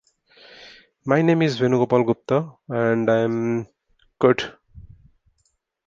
Trébizonde,a great bridge over the Black sea, thus played an important business role.